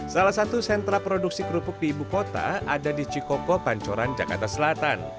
salah satu sentra produksi kerupuk di ibu kota ada di cikoko pancoran jakarta selatan